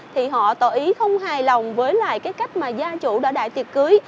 thì họ tỏ ý không hài lòng với lại cái cách mà gia chủ đỡ đại tiệc cưới